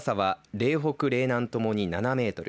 嶺北、嶺南ともに７メートル